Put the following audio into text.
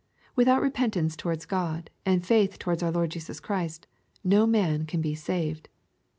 Without repentance towards God, and faith towards our Lord Jesus Christ, no man can be saved.